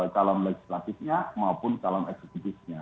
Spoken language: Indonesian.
calon legislatifnya maupun calon eksekutifnya